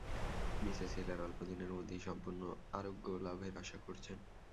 Mrs Hiller অল্পদিনের মধ্যেই সম্পূর্ণ আরোগ্যলাভের আশা করছেন।